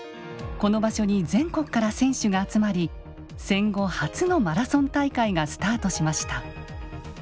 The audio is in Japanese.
この場所に全国から選手が集まり戦後初のマラソン大会がスタートしました。